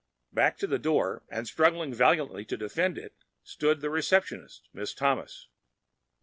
Back to the door and struggling valiantly to defend it stood the receptionist, Miss Thomas.